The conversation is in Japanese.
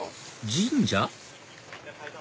神社？